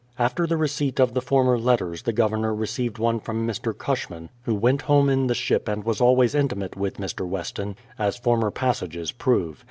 104 BRADFORD'S HISTORY OF the receipt of the former letters the Governor received one from Mr. Cushman, who went home in the ship and was always intimate with Mr. Weston, — as former passages prove.